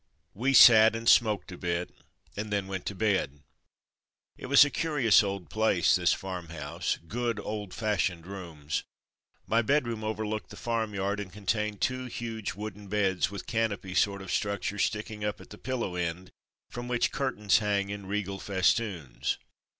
We sat and smoked a bit and then went to bed. It was a curious old place, this farm house. Good old fashioned rooms. My bedroom overlooked the farm yard and con tained two huge wooden beds with canopy sort of structures sticking up at the pil low end, from which curtains hang in regal festoons.